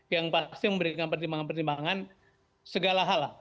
yang pasti memberikan pertimbangan pertimbangan segala hal lah